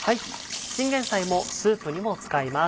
チンゲンサイもスープにも使います。